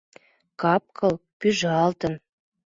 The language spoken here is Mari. Кап-кыл пӱжалтын.